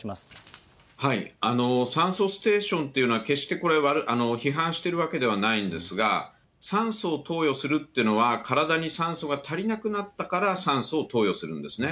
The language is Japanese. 酸素ステーションというのは、決してこれ、批判しているわけではないんですが、酸素を投与するっていうのは、体に酸素が足りなくなったから、酸素を投与するんですね。